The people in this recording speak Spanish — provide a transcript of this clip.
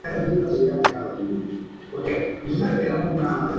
Mientras lo mantiene inmovilizado en el suelo, le pide que deje de luchar.